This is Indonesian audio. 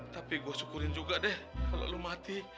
tapi gua syukurin juga deh kalau lu mati